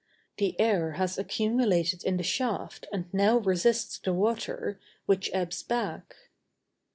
The air has accumulated in the shaft and now resists the water, which ebbs back."